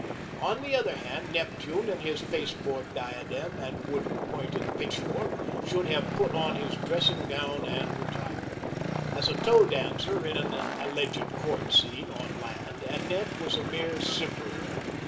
On the other hand, Neptune and his pasteboard diadem and wooden pointed pitchfork, should have put on his dressing gown and retired. As a toe dancer in an alleged court scene, on land, Annette was a mere simperer.